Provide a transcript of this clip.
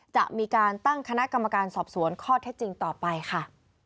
จะมีการตั้งคณะกรรมการสอบสวนข้อเท็จจริงต่อไปค่ะ